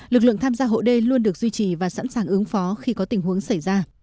lực lượng tham gia hộ đê luôn được duy trì và sẵn sàng ứng phó khi có tình huống xảy ra